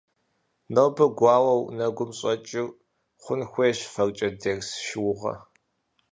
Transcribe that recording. Нобэ гуауэу нэгум щӀэкӀыр хъун хуейщ фэркӀэ дерс шыугъэ.